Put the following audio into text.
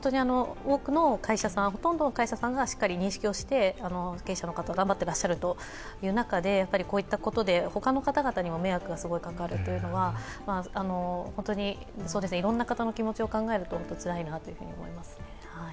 多くの会社さん、ほとんどの会社さんがしっかり認識をして経営者の方、頑張ってらっしゃる中でこういったことで、他の方々にも迷惑がすごいかかるということは、いろんな方の気持ちを考えると本当につらいなと思います。